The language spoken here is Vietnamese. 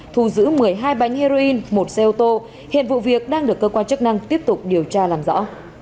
thu giữ một mươi hai bánh heroin một xe ô tô hiện vụ việc đang được cơ quan chức năng tiếp tục điều tra làm rõ